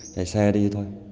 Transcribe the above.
chạy xe đi thôi